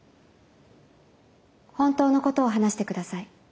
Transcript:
本当のことを話してください。